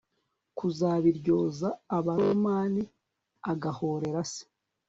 kuzabiryoza abaromani agahorera se